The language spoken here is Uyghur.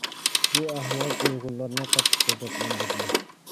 بۇ ئەھۋال ئۇيغۇرلارنى قاتتىق غەزەپلەندۈردى.